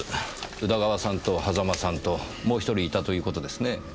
宇田川さんと狭間さんともう１人いたという事ですねぇ。